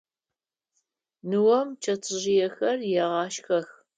Ныом чэтжъыехэр егъашхэх.